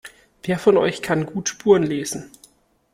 Wer von euch kann gut Spuren lesen?